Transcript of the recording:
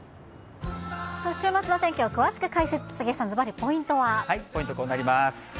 週末の天気を詳しく解説、ポイント、こうなります。